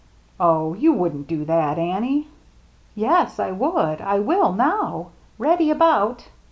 " Oh, you wouldn't do that, Annie ?"" Yes, I would. I will now. Ready about